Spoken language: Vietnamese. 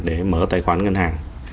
để mở tài khoản ngân hàng